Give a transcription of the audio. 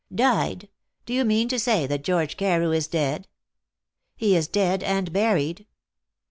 "Died! Do you mean to say that George Carew is dead?" "He is dead and buried."